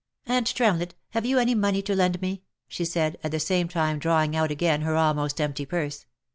" Aunt Tremlett, have you any money to lend me V she said, at the same time drawing out again her almost empty purse.